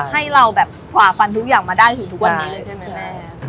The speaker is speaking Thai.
ให้เราแบบขวาฟันทุกอย่างมาได้ทุกวันนี้